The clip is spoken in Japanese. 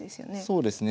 そうですね。